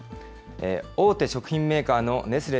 大手食品メーカーのネスレ